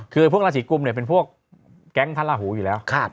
คือพวกราศีกุมเนี่ยเป็นพวกแก๊งพระราหูอยู่แล้ว